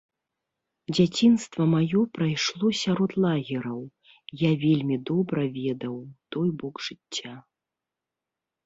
Дзяцінства маё прайшло сярод лагераў, я вельмі добра ведаў той бок жыцця.